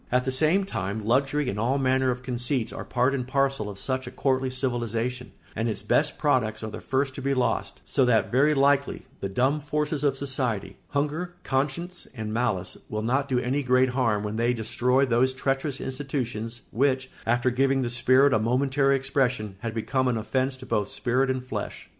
At the same time luxury and all manner of conceits are part and parcel of such a courtly civilisation, and its best products are the first to be lost; so that very likely the dumb forces of society—hunger, conscience, and malice—will not do any great harm when they destroy those treacherous institutions which, after giving the spirit a momentary expression, had become an offence to both spirit and flesh.